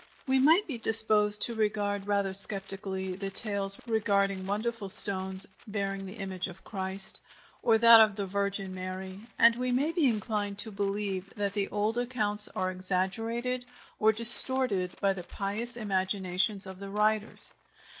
We might be disposed to regard rather sceptically the tales regarding wonderful stones bearing the image of Christ, or that of the Virgin Mary, and we may be inclined to believe that the old accounts are exaggerated or distorted by the pious imaginations of the writers.